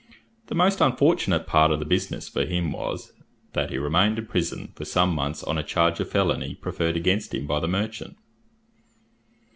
The most unfortunate part of the business for him was, that he remained in prison for some months on a charge of felony preferred against him by the merchant.